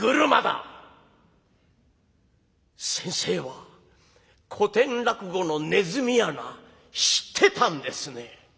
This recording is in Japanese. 「先生は古典落語の『鼠穴』知ってたんですね」。